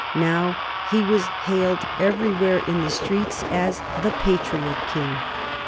Now he was hailed everywhere in the streets as the "Patriot King."